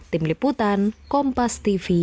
tim liputan kompas tv